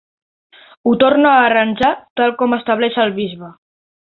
Ho torna a arranjar tal com estableix el bisbe.